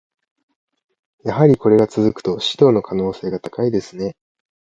やはりこれが続くと、指導の可能性が高いですね。